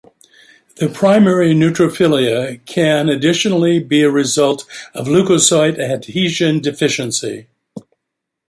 Primary neutrophilia can additionally be a result of Leukocyte adhesion deficiency.